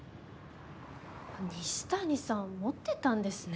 西谷さん持ってたんですね。